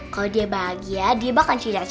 kalau dia bahagia dia bakal cerita cerita ke temennya